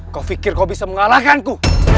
kau pikir kau bisa mengalahkanku